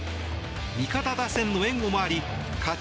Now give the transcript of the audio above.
味方打線の援護もあり勝ち